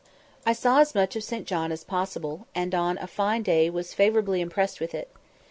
I saw as much of St. John as possible, and on a fine day was favourably impressed with it.